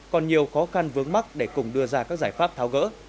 còn nhiều khó khăn vướng mắt để cùng đưa ra các giải pháp tháo gỡ